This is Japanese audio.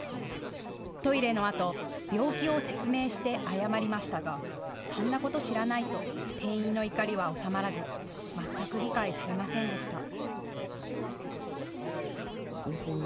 トイレのあと病気を説明して謝りましたがそんなこと知らないと店員の怒りは収まらず全く理解されませんでした。